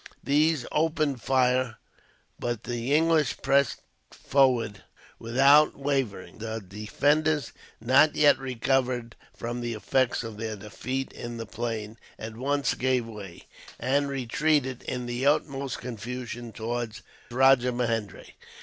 These opened fire, but the English pressed forward without wavering. The defenders, not yet recovered from the effects of their defeat in the plain, at once gave way, and retreated in the utmost confusion towards Rajahmahendri.